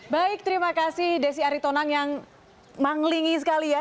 baik terima kasih desi aritonang yang mengelingi sekali ya